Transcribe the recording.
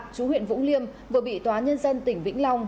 chú huyện vũng liêm vừa bị tòa nhân dân tỉnh vĩnh long